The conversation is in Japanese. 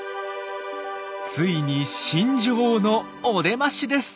ついに新女王のお出ましです！